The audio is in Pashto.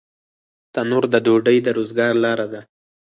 تنور د ډوډۍ د روزګار لاره ده